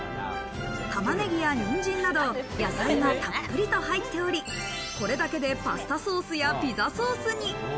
玉ねぎやにんじんなど、野菜がたっぷりと入っており、これだけでパスタソースやピザソースに。